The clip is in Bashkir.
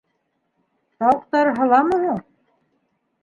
- Тауыҡтары һаламы һуң?